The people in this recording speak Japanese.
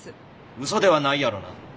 うそではないやろな？